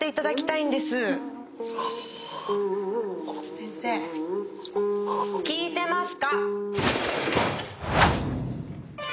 先生聞いてますか？